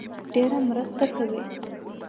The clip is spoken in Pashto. ډېره مرسته کوي